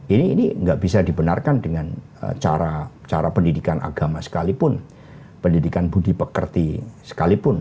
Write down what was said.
ini nggak bisa dibenarkan dengan cara pendidikan agama sekalipun pendidikan budi pekerti sekalipun